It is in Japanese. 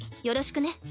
よろしくね。